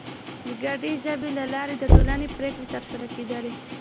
د ګډې ژبې له لارې د ټولنې پرېکړې تر سره کېدلې.